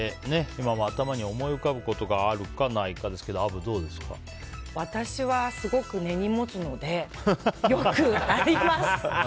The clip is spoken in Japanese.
今も頭に思い浮かぶことがあるか、ないかですが私はすごく根に持つのでよくあります。